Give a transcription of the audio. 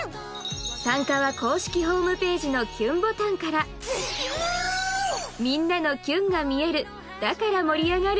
参加は公式ホームページのキュンボタンからみんなのキュンが見えるだから盛り上がる